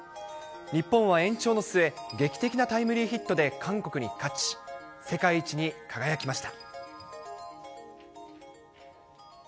日本は延長の末、劇的なタイムリーヒットで韓国に勝ち、世界一に輝きました。